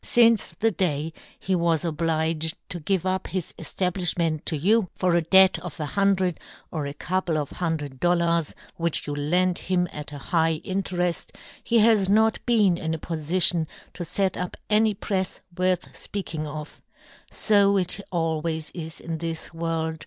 Since the day he " was obliged to give up his eftab " lifhment to you, for a debt of a hun " dred, or a couple of hundred dol " lars, which you lent him at a high " interefl, he has not been in a poll 24 "John Gutenberg. " tion to fet up any prefs worth " fpeaking of. So it always is in " this world.